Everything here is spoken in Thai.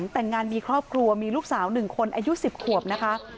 แต่งงานมีครอบครัวมีลูกสาว๑คนอายุ๑๐ขวบนะคะ